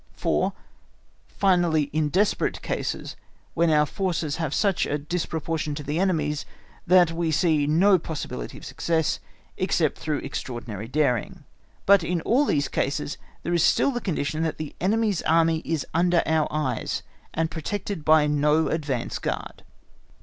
4. Finally, in desperate cases, when our forces have such a disproportion to the enemy's, that we see no possibility of success, except through extraordinary daring. But in all these cases there is still the condition that the enemy's army is under our eyes, and protected by no advance guard.